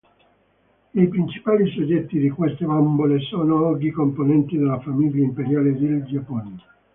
I principali soggetti di queste bambole sono oggi componenti della famiglia imperiale del Giappone.